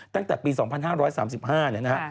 ตั้งแต่ปี๒๕๓๕เนี่ยนะฮะ